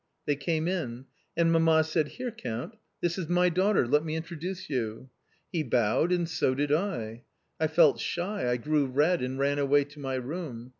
They came in ; and mamma said, " Here, Count, this is my daughter ; let me intro duce you." He bowed, and so did I. I felt shy, I grew red and ran away to my room.